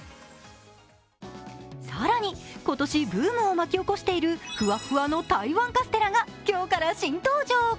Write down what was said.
更に今年ブームを巻き起こしているふわっふわの台湾カステラが今日から新登場。